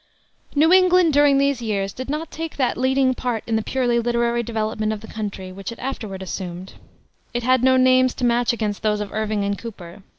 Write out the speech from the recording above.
New England, during these years, did not take that leading part in the purely literary development of the country which it afterward assumed. It had no names to match against those of Irving and Cooper.